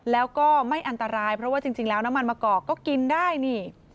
แล้วก็ไม่อันตรายเพราะว่าจริงแล้วน้ำมันมะกอกก็กินได้นี่